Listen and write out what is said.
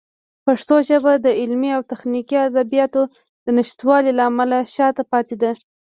پښتو ژبه د علمي او تخنیکي ادبیاتو د نشتوالي له امله شاته پاتې ده.